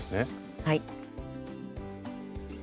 はい。